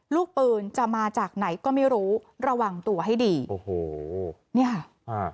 ลูกปืนจะมาจากไหนก็ไม่รู้ระวังตัวให้ดีโอ้โหเนี่ยค่ะอ่า